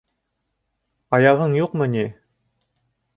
Аяғың юҡмы ни?